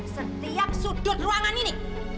setiap sudut ruangan ini